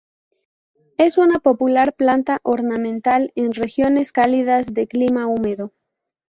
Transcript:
Es una popular planta ornamental en regiones cálidas de clima húmedo.